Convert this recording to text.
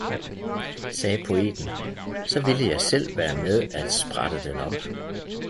sagde poeten, så ville jeg selv være med at sprætte den op!